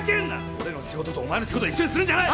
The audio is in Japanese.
俺の仕事とお前の仕事一緒にするんじゃない！